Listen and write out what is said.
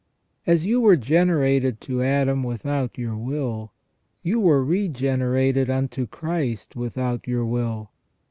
As you were generated to Adam without your will, you were regenerated unto Christ without your will.